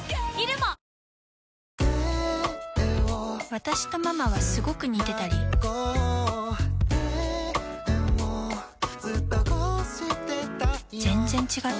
私とママはスゴく似てたり全然違ったり